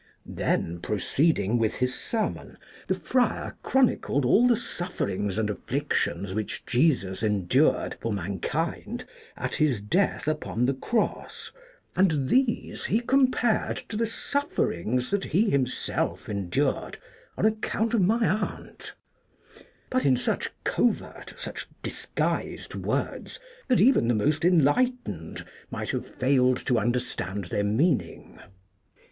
Then proceed ing with his sermon the friar chronicled all the sufferings and afflictions which Jesus endured for mankind at His death upon the Cross, and these he compared to the sufferings that he him self endured on account of my aunt ; but in such covert, such disguised words that even the most enlightened might have failed to understand their meaning.